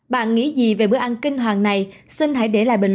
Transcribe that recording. bạn nghĩ gì về bữa ăn kinh hoàng này